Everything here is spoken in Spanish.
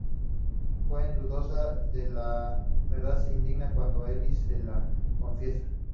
Jane dudosa de la verdad se indigna cuando Ellis se la confiesa.